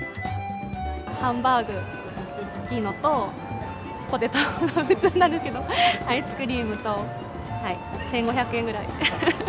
ハンバーグ大きいのと、ポテト、アイスクリームと、１５００円ぐらい。